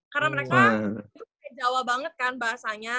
karena mereka tuh kayak jawa banget kan bahasanya